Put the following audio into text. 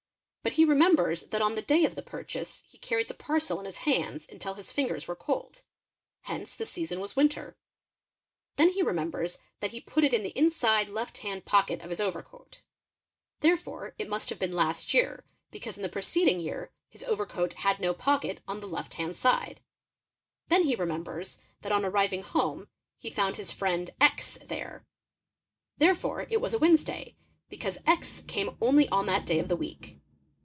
But he re # members that on the day of the purchase he carried the parcel in his . hands until his fingers were cold: hence the season was winter. Then . he remembers that he put it in the inside left hand pocket of his over 7 coat ; therefore it must have been last year, because in the preceding year his overcoat had no pocket on the left hand side: then he remembers : that on arriving home he found his friend X there; therefore it was a Wednesday, because X came only on that day of the week.